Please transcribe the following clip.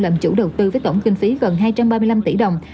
làm chủ đầu tư với tổng kinh phí gần hai trăm ba mươi năm tỷ đồng